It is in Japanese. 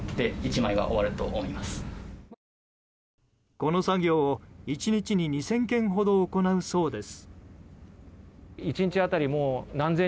この作業を１日に２０００件ほど行うそうです。